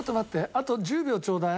あと１０秒ちょうだい。